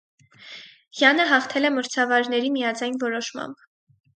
Յանը հաղթել է մրցավարների միաձայն որոշմամբ։